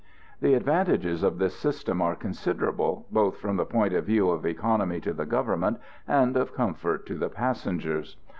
The advantages of this system are considerable, both from the point of view of economy to the Government and of comfort to the passengers.